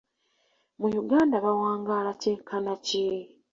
Mu Uganda bawangaala kyenkana ki?